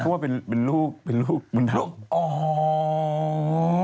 พูดว่าเป็นลูกเป็นลูกบุญธรรม